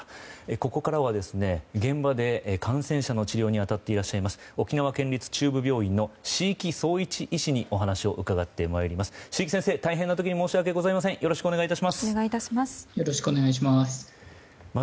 ここからは現場で感染者の治療に当たっていらっしゃいます沖縄県立中部病院の椎木創一医師にお話を伺って参ります。